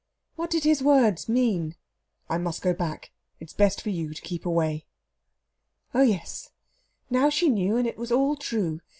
What did his words mean: "I must go back; it is best for you to keep away"? Oh, yes; now she knew, and it was all true.